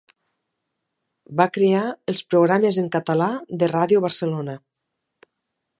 Va crear els programes en català de Ràdio Barcelona.